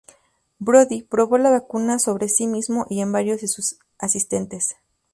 Brodie probó la vacuna sobre sí mismo y en varios de sus asistentes.